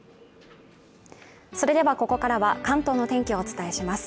それではここからは関東のお天気をお伝えします